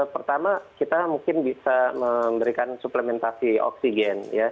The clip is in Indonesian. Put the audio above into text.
pertama kita mungkin bisa memberikan suplementasi oksigen ya